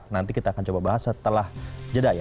nanti kita akan coba bahas setelah jeda ya